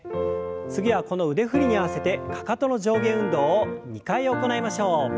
次はこの腕振りに合わせてかかとの上下運動を２回行いましょう。